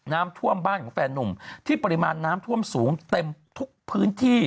น้ำท่วมบ้านของแฟนนุ่มที่ปริมาณน้ำท่วมสูงเต็มทุกพื้นที่